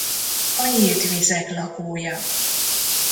A nyílt vizek lakója.